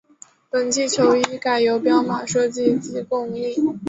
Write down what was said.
本季球衣改由彪马设计及供应。